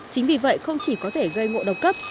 chính vì vậy không chỉ có thể gây ngộ độc cấp